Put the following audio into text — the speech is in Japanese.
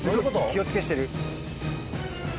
「気を付け」してる。